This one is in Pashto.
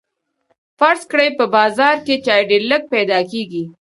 فرض کړئ په بازار کې چای ډیر لږ پیدا کیږي.